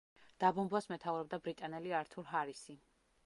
დაბომბვას მეთაურობდა ბრიტანელი ართურ ჰარისი.